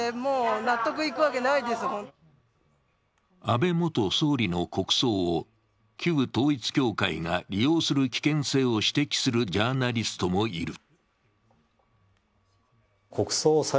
安倍元総理の国葬を旧統一教会が利用する危険性を指摘するジャーナリストもいる。